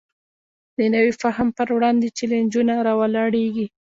د نوي فهم پر وړاندې چلینجونه راولاړېږي.